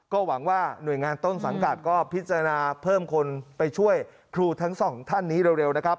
ก็หวังว่าหน่วยงานต้นสังกัดก็พิจารณาเพิ่มคนไปช่วยครูทั้งสองท่านนี้เร็วนะครับ